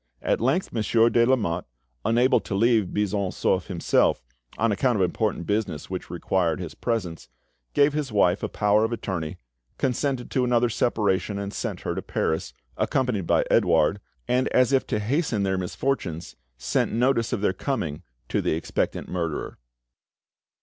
At length Monsieur de Lamotte, unable to leave Buisson Souef himself, on account of important business which required his presence, gave his wife a power of attorney, consented to another separation, and sent her to Paris, accompanied by Edouard, and as if to hasten their misfortunes, sent notice of their coming to the expectant murderer.